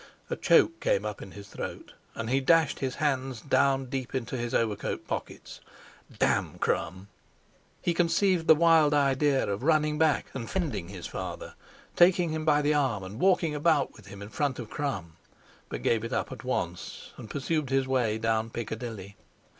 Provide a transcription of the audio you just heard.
A choke came up in his throat, and he dashed his hands down deep into his overcoat pockets. Damn Crum! He conceived the wild idea of running back and fending his father, taking him by the arm and walking about with him in front of Crum; but gave it up at once and pursued his way down Piccadilly.